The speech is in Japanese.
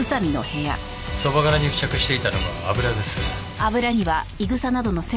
そば殻に付着していたのは油です。